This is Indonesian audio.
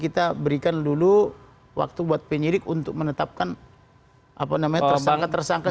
kita berikan dulu waktu buat penyidik untuk menetapkan tersangka tersangka